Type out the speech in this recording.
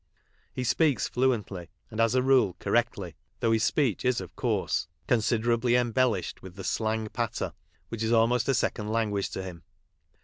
Ho speaks fluently, and, as a rule, correctly, though his speech is, of course, considerably embellished with the " slang patter," which is almost a second language to him.